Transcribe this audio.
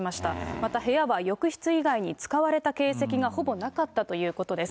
また部屋は浴室以外に使われた形跡がほぼなかったということです。